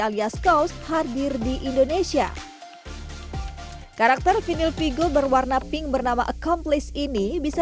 alias kaos hadir di indonesia karakter vinyl vigo berwarna pink bernama accomplice ini bisa